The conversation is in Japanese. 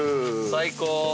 最高。